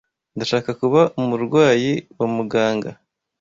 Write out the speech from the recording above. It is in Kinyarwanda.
Ndashaka kuba umurwayi wa muganga.